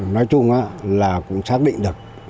nói chung là cũng xác định được